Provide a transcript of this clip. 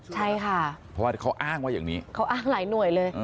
ใช่ค่ะเพราะว่าเขาอ้างว่าอย่างนี้เขาอ้างหลายหน่วยเลย